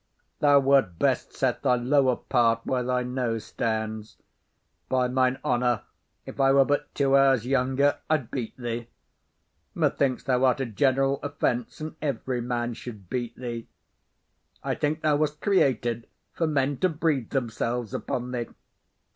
Thou wert best set thy lower part where thy nose stands. By mine honour, if I were but two hours younger, I'd beat thee. Methink'st thou art a general offence, and every man should beat thee. I think thou wast created for men to breathe themselves upon thee.